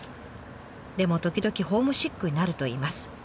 でも時々ホームシックになるといいます。